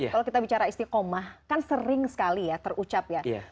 kalau kita bicara istiqomah kan sering sekali ya terucap ya